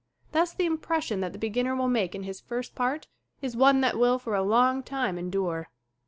Thus the impression that the beginner will make in his first part is one that will for a long time endure.